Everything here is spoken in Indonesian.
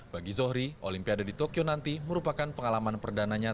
bagi zohri olimpiade di tokyo nanti merupakan pengalaman perdananya